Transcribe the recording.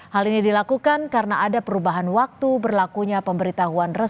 hal ini dilakukan karena ada perubahan waktu berlakunya pemberitahuan